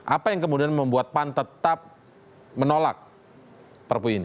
apa yang kemudian membuat pan tetap menolak perpu ini